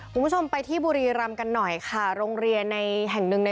คุณผู้ชมไปที่บุรีรำกันหน่อยค่ะโรงเรียนในแห่งหนึ่งใน